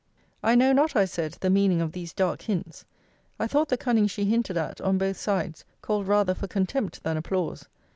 I knew not, I said, the meaning of these dark hints. I thought the cunning she hinted at, on both sides, called rather for contempt than applause.